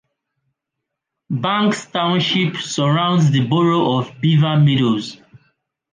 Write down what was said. Banks Township surrounds the borough of Beaver Meadows.